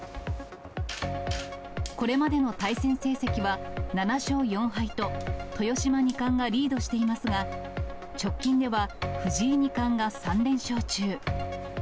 これまでの対戦成績は７勝４敗と、豊島二冠がリードしていますが、直近では藤井二冠が３連勝中。